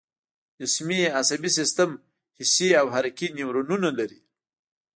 جسمي عصبي سیستم حسي او حرکي نیورونونه لري